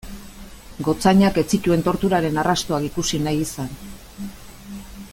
Gotzainak ez zituen torturaren arrastoak ikusi nahi izan.